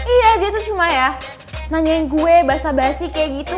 iya dia tuh cuma ya nanyain gue basa basi kayak gitu